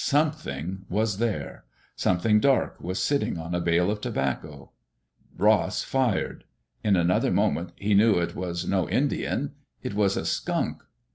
Some' thing was there ! Something dark was sitting on a bale of tobacco. Ross fired. In another moment he knew it was no Indian. It was a skunk!